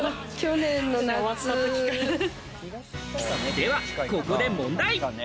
ではここで問題。